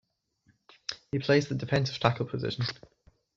He plays the defensive tackle position.